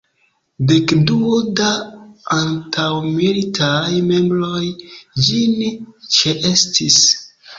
Dekduo da antaŭmilitaj membroj ĝin ĉeestis.